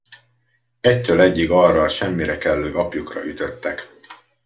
Egytől egyig arra a semmirekellő apjukra ütöttek.